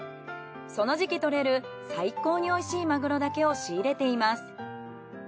その時期とれる最高に美味しいマグロだけを仕入れています。